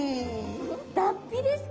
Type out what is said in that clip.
脱皮ですか。